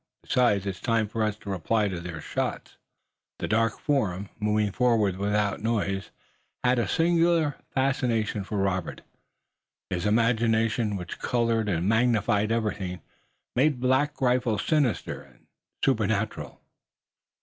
Besides, it's time for us to reply to their shots." The dark form, moving forward without noise, had a singular fascination for Robert. His imagination, which colored and magnified everything, made Black Rifle sinister and supernatural.